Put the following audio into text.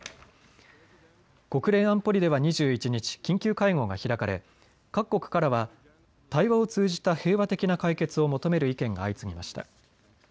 国連安保理では２１日、緊急会合が開かれ各国からは対話を通じた平和的な解決を求める意見が相次ぎました。